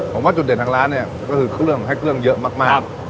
ผมว่าจุดเด่นทางร้านเนี่ยก็คือเครื่องให้เครื่องเยอะมาก